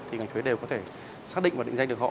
thì ngành thuế đều có thể xác định và định danh được họ